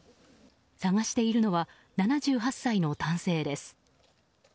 捜しているのは７８歳の男性です。